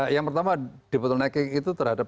yang pertama debotlenecking itu terhadap